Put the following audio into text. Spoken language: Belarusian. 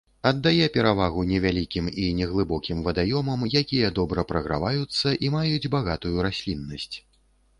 Аддае перавагу невялікім і неглыбокім вадаёмам, якія добра праграваюцца і маюць багатую расліннасць.